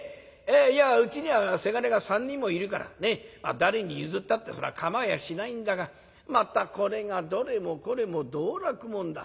いやうちには伜が３人もいるから誰に譲ったってそら構いやしないんだがまたこれがどれもこれも道楽者だ。